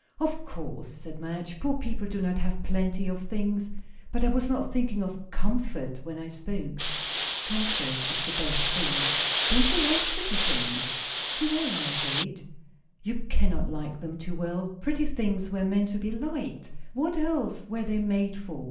"Of course," said Madge, "poor people do not have plenty of things. But I was not thinking of comfort, when I spoke." "Comfort is the best thing." "Don't you like pretty things?" "Too well, I am afraid." "You cannot like them too well. Pretty things were meant to be liked. What else were they made for?